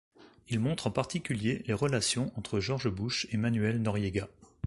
Il montre en particulier les relations entre George Bush et Manuel Noriega.